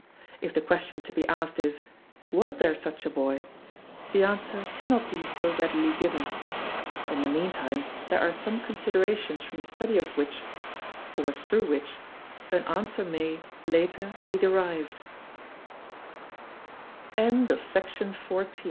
If the question to be asked is: "Was there such a boy?" the answer cannot be so readily given. In the meantime there are some considerations from the study of which or through which an answer may, later, b